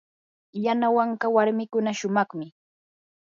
yanawanka warmikuna shumaqmi.